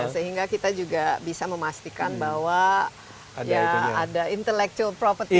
sehingga kita juga bisa memastikan bahwa ya ada intellectual property